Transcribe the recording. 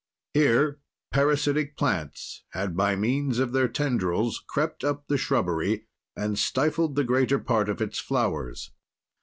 Here parasitic plants had, by means of their tendrils, crept up the shrubbery and stifled the greater part of its flowers.